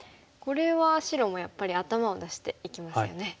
これは白もやっぱり頭を出していきますよね。